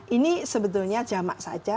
ini sebetulnya jamak saja